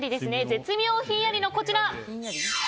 絶妙ひんやりのこちら。